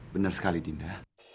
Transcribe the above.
benar sekali dinda